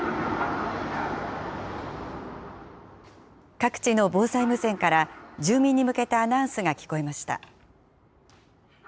各地の防災無線から、住民に向けたアナウンスが聞こえました。